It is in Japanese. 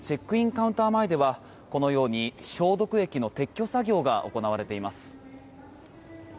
カウンター前ではこのように消毒液の撤去作業が行われています。